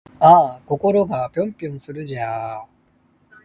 あぁ〜心がぴょんぴょんするんじゃぁ〜